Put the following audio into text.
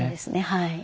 はい。